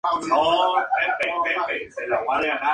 Criaba únicamente en la isla de Santa Elena.